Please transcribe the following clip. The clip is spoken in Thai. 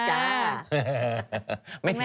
อ่าจ้าจ้า